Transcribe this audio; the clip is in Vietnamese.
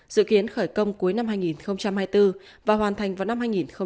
dự kiến khởi công cuối năm hai nghìn hai mươi bốn và hoàn thành vào năm hai nghìn hai mươi năm